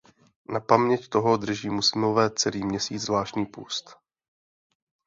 Na paměť toho drží muslimové celý měsíc zvláštní půst.